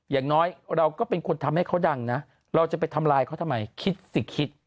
อย่างน้อยเราก็เป็นคนทำให้เขาดังนะเราจะไปทำลายเขาทำไมคิดสิคิด